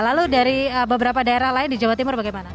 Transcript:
lalu dari beberapa daerah lain di jawa timur bagaimana